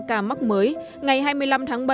ca mắc mới ngày hai mươi năm tháng bảy